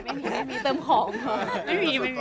บางทีเค้าแค่อยากดึงเค้าต้องการอะไรจับเราไหล่ลูกหรือยังไง